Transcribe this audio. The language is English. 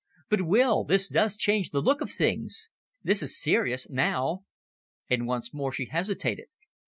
"But, Will, this does change the look of things. This is serious now." And once more she hesitated.